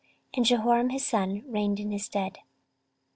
And Jehoram his son reigned in his stead.